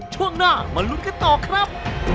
ช่วงหน้ามาลุ้นกันต่อครับ